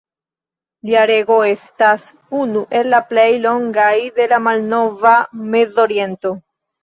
Lia rego estas unu el la plej longaj de la malnova Mezoriento.